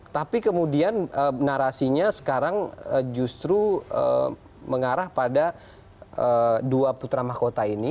tapi kemudian narasinya sekarang justru mengarah pada dua putra mahkota ini